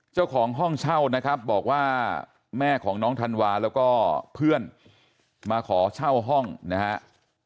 เจ้าของห้องเช่านะครับบอกว่าแม่ของน้องธันวาแล้วก็เพื่อนมาขอเช่าห้องนะครับ